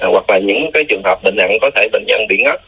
hoặc là những cái trường hợp bệnh nặng có thể bệnh nhân bị ngất